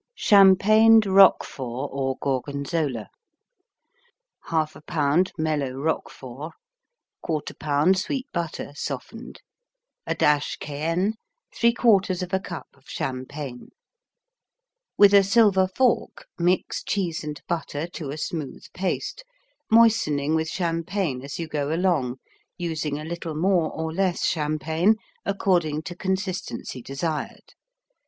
Champagned Roquefort or Gorgonzola 1/2 pound mellow Roquefort 1/4 pound sweet butter, softened A dash cayenne 3/4 cup champagne With a silver fork mix cheese and butter to a smooth paste, moistening with champagne as you go along, using a little more or less champagne according to consistency desired.